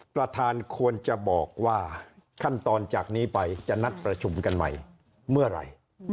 ประธานควรจะบอกว่าขั้นตอนจากนี้ไปจะนัดประชุมกันใหม่เมื่อไหร่